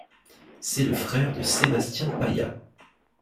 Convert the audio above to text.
C’est le frère de Sébastien Paillat.